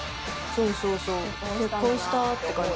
そうそう結婚したって感じ。